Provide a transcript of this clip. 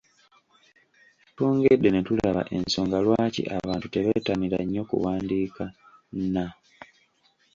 Twongedde ne tulaba ensonga lwaki abantu tebettanira nnyo kuwandiika. n